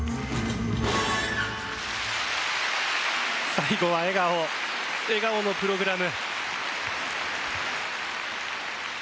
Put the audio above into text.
最後は笑顔笑顔のプログラム。